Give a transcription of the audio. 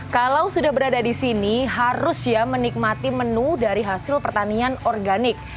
kalau sudah berada di sini harus ya menikmati menu dari hasil pertanian organik